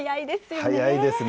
早いですね。